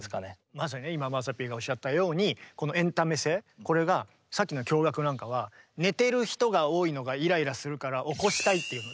まさに今まさピーがおっしゃったようにこのエンタメ性これが寝てる人が多いのがイライラするから起こしたいっていうので。